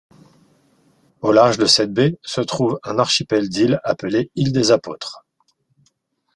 Au large de cette baie se trouve un archipel d'îles appelé îles des Apôtres.